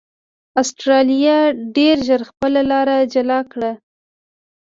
اسټرالیا ډېر ژر خپله لار جلا کړه.